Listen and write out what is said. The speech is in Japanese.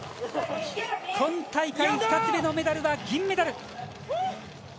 今大会２つ目のメダルは銀メダル。